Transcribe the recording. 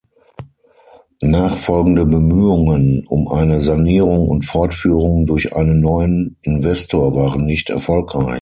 Nachfolgende Bemühungen um eine Sanierung und Fortführung durch einen neuen Investor waren nicht erfolgreich.